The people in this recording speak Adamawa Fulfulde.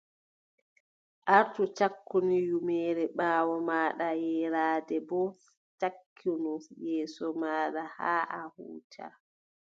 Artu cakkinu ƴummere ɓaawo maaɗa, yeeraande boo cakkinu yeeso maaɗa haa a huuca.